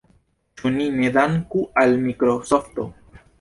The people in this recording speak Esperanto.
Ĉu ni ne danku al Mikrosofto?